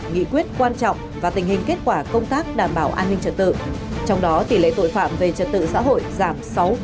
nghị quyết quan trọng và tình hình kết quả công tác đảm bảo an ninh trật tự trong đó tỷ lệ tội phạm về trật tự xã hội giảm sáu